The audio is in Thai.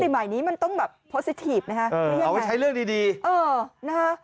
มิติใหม่นี้มันต้องแบบนะฮะเออเอาไว้ใช้เลือกดีดีเออนะฮะ